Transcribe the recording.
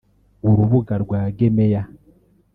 urubuga rwa gemeya